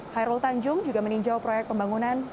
khairul tanjung juga meninjau proyek pembangunan